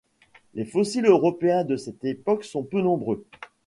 Les fossiles européens de cette époque sont peu nombreux.